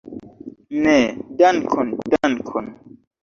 Ne, dankon, dankon.